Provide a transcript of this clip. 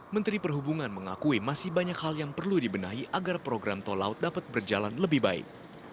menteri perhubungan mengakui masih banyak hal yang perlu dibenahi agar program tol laut dapat berjalan lebih baik